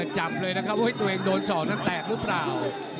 เจอเลยนะครับว่าตัวเองโดดทรนะคะแตกรึเปล่า